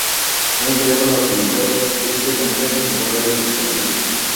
No llegando a utilizar este nombre en ninguno de sus capítulos.